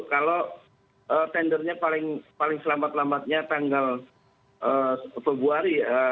kalau tendernya paling selamat lambatnya tanggal februari